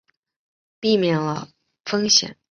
避免掉了风险